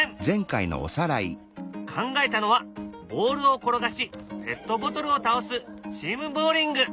考えたのはボールを転がしペットボトルを倒す「チームボウリング」。